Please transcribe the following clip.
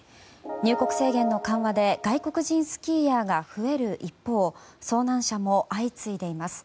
入国制限の緩和で外国人スキーヤーが増える一方遭難者も相次いでいます。